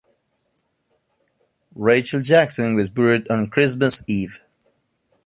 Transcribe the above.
Rachel Jackson was buried on Christmas Eve.